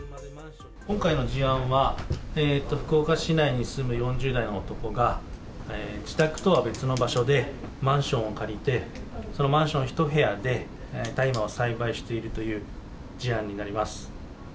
今回の事案は、福岡市内に住む４０代の男が、自宅とは別の場所でマンションを借りて、そのマンション１部屋で、大麻を栽培しているという事案になります。